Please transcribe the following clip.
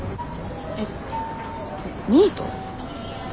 えっニート？